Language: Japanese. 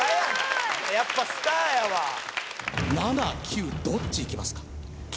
さすがや７９どっちいきますか？